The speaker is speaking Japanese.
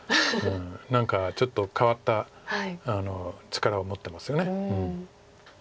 何かちょっと変わった力を持ってますよね。